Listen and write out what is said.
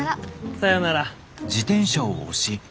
さよなら。